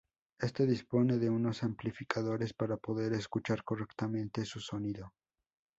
Éste dispone de unos amplificadores para poder escuchar correctamente su sonido.